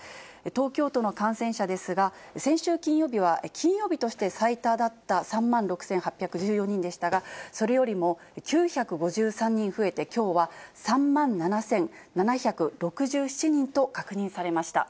東京都の感染者ですが、先週金曜日は金曜日として最多だった３万６８１４人でしたが、それよりも９５３人増えて、きょうは３万７７６７人と確認されました。